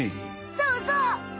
そうそう！